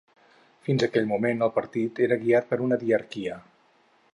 Fins aquell moment el partit era guiat per una diarquia.